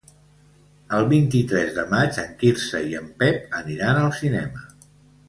El vint-i-tres de maig en Quirze i en Pep aniran al cinema.